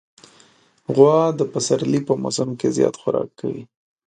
غوا د پسرلي په موسم کې زیات خوراک کوي.